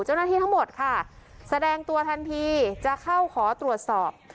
เจ้าหน้าที่ทั้งหมดค่ะแสดงตัวทันทีจะเข้าขอตรวจสอบ